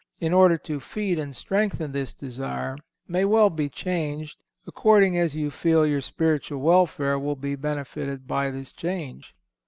in order to feed and strengthen this desire, may well be changed, according as you feel your spiritual welfare will be benefited by this change.